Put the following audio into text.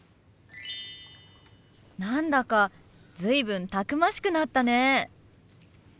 何だか随分たくましくなったね。